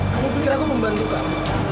kamu pikir aku membantu kamu